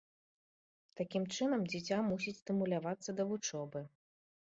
Такім чынам дзіця мусіць стымулявацца да вучобы.